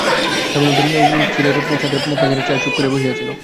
হেমনলিনী চিলের ছাদের প্রাচীরের ছায়ায় চুপ করিয়া বসিয়া ছিল।